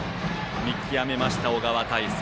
見極めました、小川大地。